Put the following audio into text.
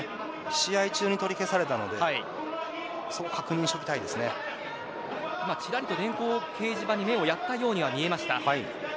試合中だったんでちらりと電光掲示板に目をやったように見えました。